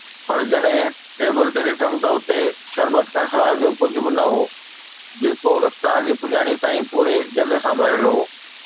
پر جڏهن ٽيبل تي ڏٺم ته اتي شربت کان سواءِ ٻيو ڪجهه به نه هو، جيڪو افطار جي پڄاڻيءَ تائين پوري جڳ سان ڀريل هو.